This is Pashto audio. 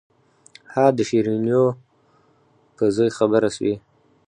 ها د شيرينو په زوى خبره سوې.